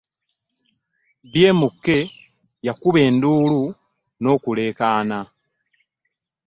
BMK yakuba enduulu n'okuleekaana